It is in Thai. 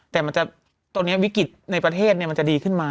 แต่มันจะตรงนี้วิกฤตในประเทศเนี่ยมันจะดีขึ้นมา